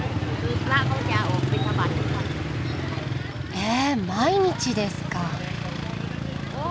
え毎日ですか。